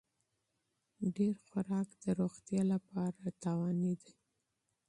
ډېر خوراک د روغتیا لپاره ښه نه دی.